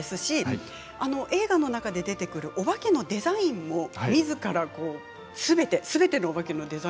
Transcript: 映画の中で出てくるおばけのデザインもみずからすべて。